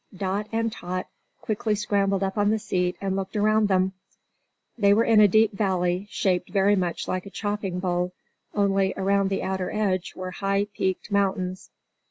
Dot and Tot quickly scrambled upon the seat and looked around them. They were in a deep valley, shaped very much like a chopping bowl, only around the outer edge were high, peaked mountains.